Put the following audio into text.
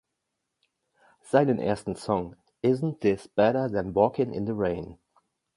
Seinen ersten Song "Isn’t This Better Than Walking in the Rain?